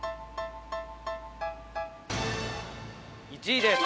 １位です。